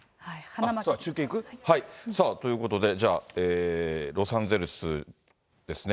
中継行く？ということで、じゃあ、ロサンゼルスですね。